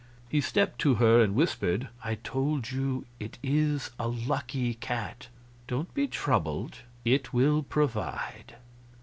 He stepped to her and whispered: "I told you it is a Lucky Cat. Don't be troubled; it will provide."